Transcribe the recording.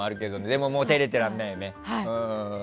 でも照れてらんないよね。